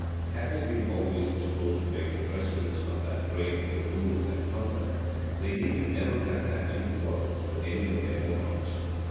[] Had they been always disposed to make the precedents of that reign the rule of their conduct, they needed never have had any quarrel with any of their monarchs.